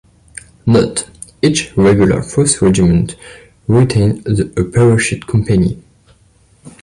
Note: each regular force regiment retains a parachute company.